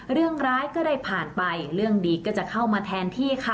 เรื่องร้ายก็ได้ผ่านไปเรื่องดีก็จะเข้ามาแทนที่ค่ะ